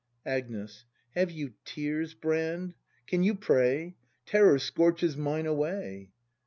Agnes. Have you tears, Brand ? Can you pray ? Terror scorches mine away!